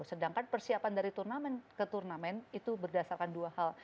sedangkan persiapan dari turnamen ke turnamen itu berdasarkan dua hal